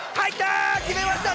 決めました！